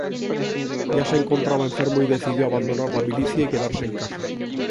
Ya se encontraba enfermo y decidió abandonar la milicia y quedarse en casa.